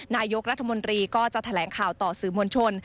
นายกรัฐมนตรีก็จะแถลงข่าวต่อสื่อมวลชน